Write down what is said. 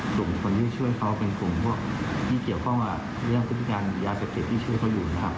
กลุ่มคนที่ช่วยเขาเป็นกลุ่มพวกที่เกี่ยวข้องกับเรื่องพฤติการยาเสพติดที่ช่วยเขาอยู่นะครับ